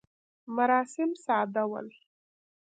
مراسم ساده ول.